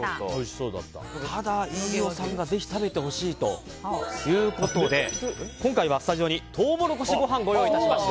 ただ、飯尾さんがぜひ食べてほしいということで今回は、スタジオにトウモロコシご飯